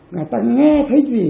người ta nghe thấy gì